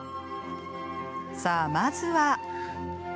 さあまずは。